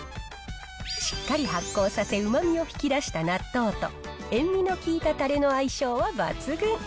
しっかり発酵させ、うまみを引き出した納豆と、塩味の効いたたれの相性は抜群。